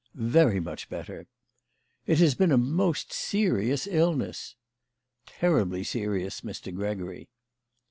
" Yery much better. " "It has been a most serious illness." "Terribly serious, Mr. Gregory."